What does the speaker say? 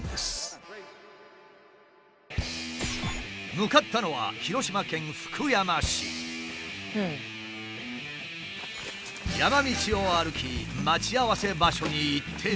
向かったのは山道を歩き待ち合わせ場所に行ってみると。